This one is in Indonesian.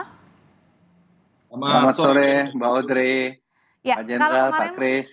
selamat sore mbak odri pak jenderal pak chris